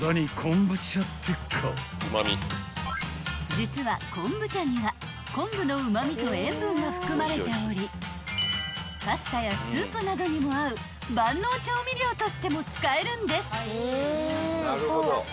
［実は昆布茶には昆布のうま味と塩分が含まれておりパスタやスープなどにも合う万能調味料としても使えるんです］